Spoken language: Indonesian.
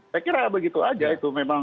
saya kira begitu aja itu memang